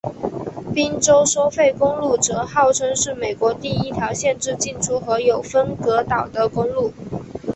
宾州收费公路则号称是美国第一条限制进出和有分隔岛的公路。